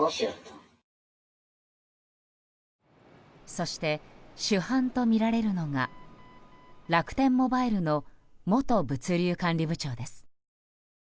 そして、主犯とみられるのが楽天モバイルの元物流管理部長です。